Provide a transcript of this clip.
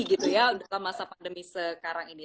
di masa pandemi sekarang ini